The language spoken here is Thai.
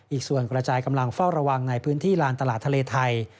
อีกส่วนกระจายกำลังเฝ้าระวังในพื้นที่ลานตลาดทะเลไทย